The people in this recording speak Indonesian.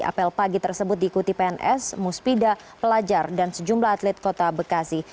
apel pagi tersebut diikuti pns musbida pelajar dan sejumlah atlet kota bekasi